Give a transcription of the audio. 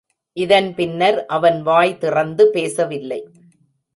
இதன் பின்னர் அவன் வாய் திறந்து பேசவில்லை.